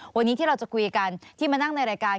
วันนี้ที่เราจะคุยกันที่มานั่งในรายการ